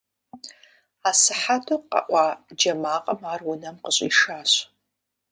Асыхьэту къэӀуа джэ макъым ар унэм къыщӀишащ.